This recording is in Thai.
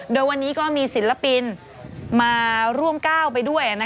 โดยวันนี้ก็มีศิลปินมาร่วมก้าวไปด้วย